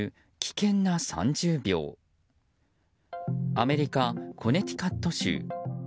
アメリカ・コネティカット州。